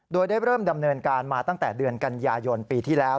โดยได้เริ่มดำเนินการมาตั้งแต่เดือนกันยายนปีที่แล้ว